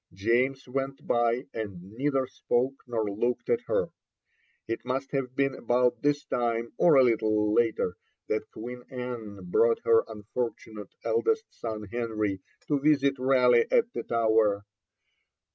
James went by, and neither spoke nor looked at her. It must have been about this time, or a little later, that Queen Anne brought her unfortunate eldest son Henry to visit Raleigh at the Tower.